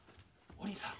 お凛さん。